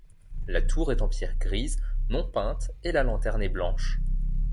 La tour est en pierre grise non peinte et la lanterne est blanche.